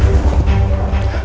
pagi pak surya